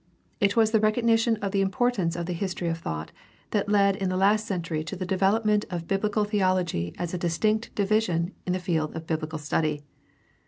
It was the recognition of the importance of the history of thought that led in the last century to the development of biblical theology as a distinct division of the field of biblical study.